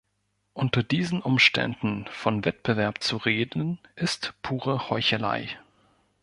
Unter diesen Umständen von Wettbewerb zu reden ist pure Heuchelei.